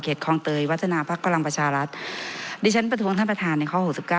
คลองเตยวัฒนาภักดิ์พลังประชารัฐดิฉันประท้วงท่านประธานในข้อหกสิบเก้า